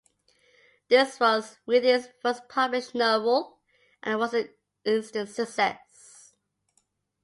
This was Wheatley's first published novel and was an instant success.